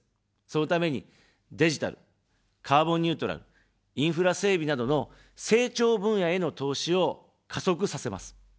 そのために、デジタル、カーボン・ニュートラル、インフラ整備などの成長分野への投資を加速させます。